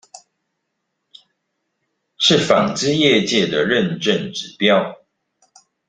是紡織業界的認證指標